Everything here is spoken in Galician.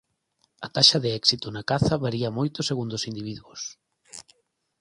A taxa de éxito na caza varía moito segundo os individuos.